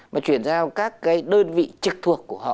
mà chuyển giao các cái đơn vị trực thuộc cho người ngoài